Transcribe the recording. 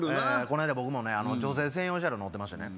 この間僕もねあの女性専用車両乗ってましてね